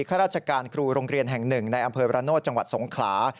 ข้าราชการครูโรงเรียนแห่งหนึ่งในอำเภอระโนธจังหวัดสงขลา